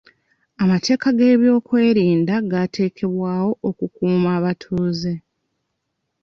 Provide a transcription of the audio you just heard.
Amateeka g'ebyokwerinda gaateekebwawo okukuuma abatuuze.